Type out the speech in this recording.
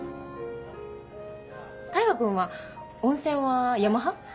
大牙君は温泉は山派？